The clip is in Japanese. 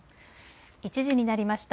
１時になりました。